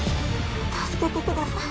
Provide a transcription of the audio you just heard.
助けてください